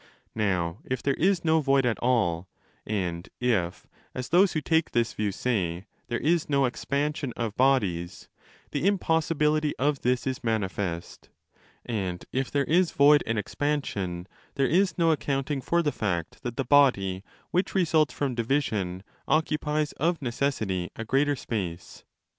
Nov, if there is no void at all, and if, as those who take this view say, there is no expansion of bodies," the impossibility of this is manifest: and if there is void and expansion, there is no accounting for the fact that the body which results from division occupies of zo necessity a greater space.